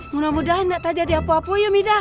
mudah mudahan tak jadi apa apa ya midah